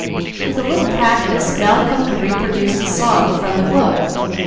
With a little practice Malcolm could reproduce the "song from the book."